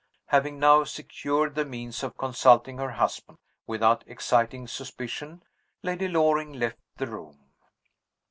Having now secured the means of consulting her husband without exciting suspicion, Lady Loring left the room.